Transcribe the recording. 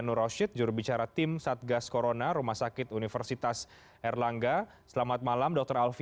nuroz the jurubicara tim satgas corona rumah sakit universitas erlangga selamat malam i sesuai